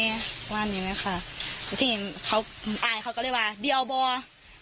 ว่าอย่างนี้ไหมค่ะที่นี่เค้าอายเค้าก็เลยว่าเดี๋ยวบ่า